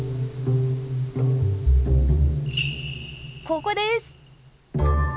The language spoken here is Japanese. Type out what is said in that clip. ここです。